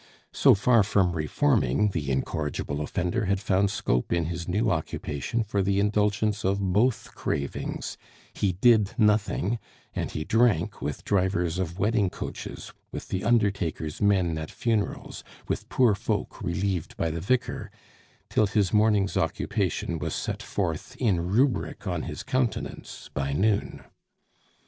So far from reforming, the incorrigible offender had found scope in his new occupation for the indulgence of both cravings; he did nothing, and he drank with drivers of wedding coaches, with the undertaker's men at funerals, with poor folk relieved by the vicar, till his morning's occupation was set forth in rubric on his countenance by noon.